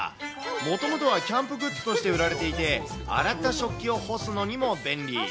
もともとはキャンプグッズとして売られていて、洗った食器を干すのにも便利。